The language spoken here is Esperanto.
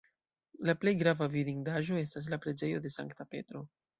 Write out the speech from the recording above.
La plej grava vidindaĵo estas la preĝejo de Sankta Petro.